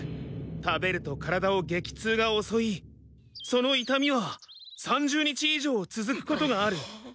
食べると体を激痛が襲いその痛みは３０日以上続くことがある。